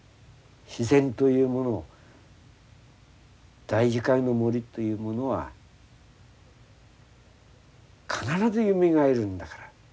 「自然というもの大樹海の森というものは必ず蘇るんだから。